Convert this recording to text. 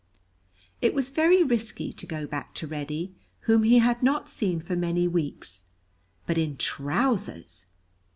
It was very risky to go back to Reddy, whom he had not seen for many weeks; but in trousers!